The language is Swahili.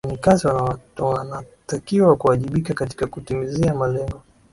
wafanyakazi wanatakiwa kuwajibika katika kutimiza malengo